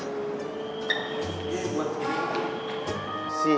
tuh boleh nih